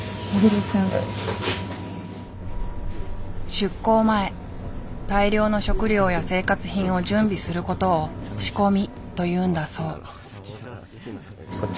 出港前大量の食料や生活品を準備することを「仕込み」というんだそう。